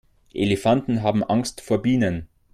Elefanten haben Angst vor Bienen.